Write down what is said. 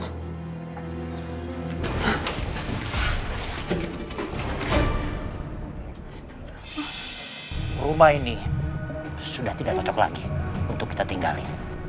aku ingin abis itu bergantung sama kamu